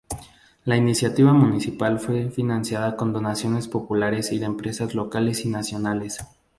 La iniciativa municipal fue financiada con donaciones populares y de empresas locales y nacionales.